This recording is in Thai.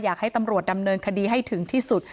อยากให้ตำรวจดำเนินคดีให้ถึงที่สุด